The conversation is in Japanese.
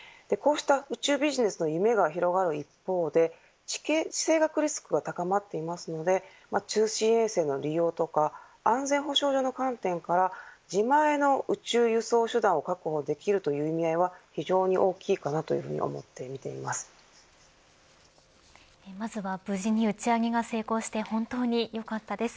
こうした宇宙ビジネスの夢が広がる一方で地政学リスクが高まっていますので通信衛星の利用とか安全保障上の観点から自前の宇宙輸送手段を確保できるという意味合いは非常に大きいかなというふうにまずは無事に打ち上げが成功して本当によかったです。